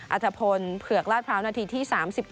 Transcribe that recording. อัตภพลเผือกลาดพร้าวนาทีที่๓๗